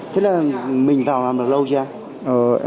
thế là mình vào làm được lâu chưa